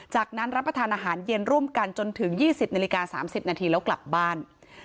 จากนั้นรับประทานอาหารเย็นร่วมกันจนถึง๒๐นาฬิกา๓๐นาทีแล้วกลับบ้าน